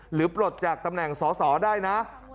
ปลดจากตำแหน่งสอสอได้นะ